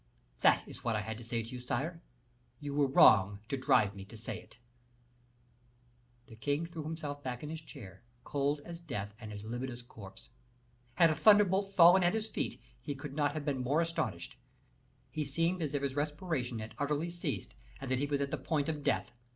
That is what I had to say to you, sire; you were wrong to drive me to say it." The king threw himself back in his chair, cold as death, and as livid as a corpse. Had a thunderbolt fallen at his feet, he could not have been more astonished; he seemed as if his respiration had utterly ceased, and that he was at the point of death.